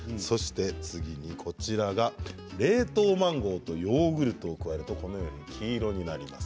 次に冷凍マンゴーとヨーグルトを加えると黄色になります。